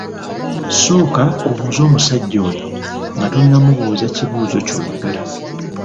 Sooka obuuze omusajja oyo nga tonnamubuuza kibuuzo kyoyagala.